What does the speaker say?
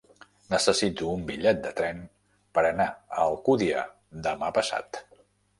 Necessito un bitllet de tren per anar a Alcúdia demà passat.